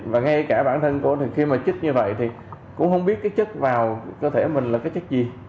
và ngay cả bản thân của khi mà chích như vậy thì cũng không biết cái chất vào cơ thể mình là cái chất gì